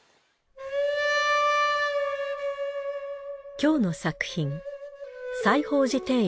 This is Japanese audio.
今日の作品。